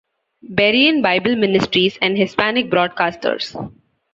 Berean Bible Ministries and Hispanic Broadcasters.